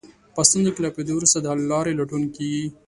په ستونزه له پوهېدو وروسته د حل لارې لټون کېږي.